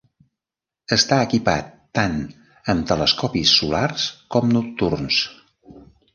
Està equipat tant amb telescopis solars com nocturns.